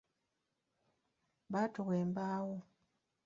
Batuwa embaawo.